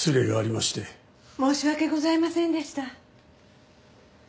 申し訳ございませんでした。